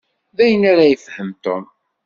D ayen ara yefhem Tom.